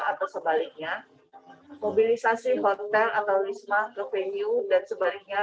atau sebaliknya mobilisasi hotel atau wisma ke venue dan sebaliknya